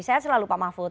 saya selalu pak mahfud